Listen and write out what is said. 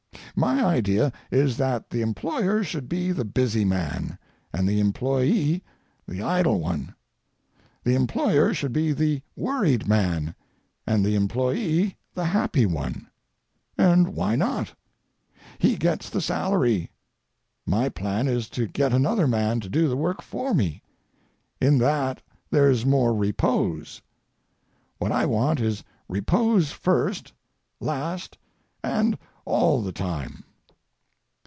My idea is that the employer should be the busy man, and the employee the idle one. The employer should be the worried man, and the employee the happy one. And why not? He gets the salary. My plan is to get another man to do the work for me. In that there's more repose. What I want is repose first, last, and all the time.